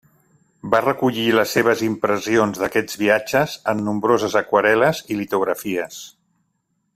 Va recollir les seves impressions d'aquests viatges en nombroses aquarel·les i litografies.